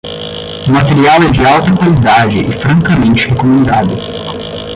O material é de alta qualidade e francamente recomendado.